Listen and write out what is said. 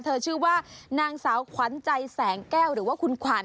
ชื่อว่านางสาวขวัญใจแสงแก้วหรือว่าคุณขวัญ